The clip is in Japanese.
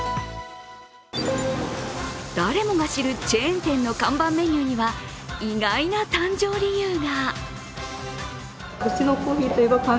誰もが知るチェーン店の看板メニューには意外な誕生理由が。